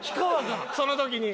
その時に？